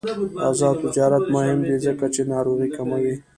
آزاد تجارت مهم دی ځکه چې ناروغۍ کموي.